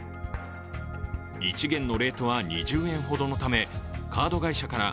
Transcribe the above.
１元のレートは２０円ほどのため、カード会社から